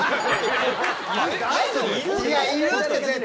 いやいるって絶対。